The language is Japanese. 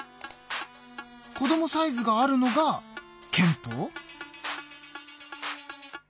こどもサイズがあるのが憲法？